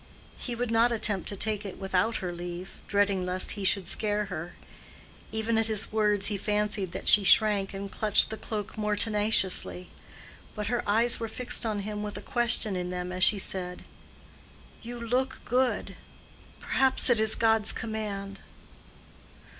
He would not attempt to take it without her leave, dreading lest he should scare her. Even at his words, he fancied that she shrank and clutched the cloak more tenaciously. But her eyes were fixed on him with a question in them as she said, "You look good. Perhaps it is God's command."